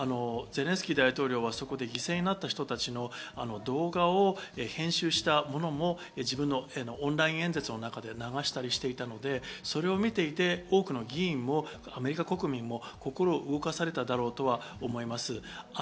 ゼレンスキー大統領はそこで犠牲になった人たちの動画を編集したものも自分のオンライン演説の中で流したりしていたので、それを見ていて多くの議員もアメリカ国民も心を動かされただろうと思います。